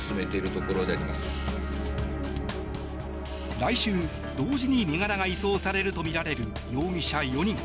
来週、同時に身柄が移送されるとみられる容疑者４人。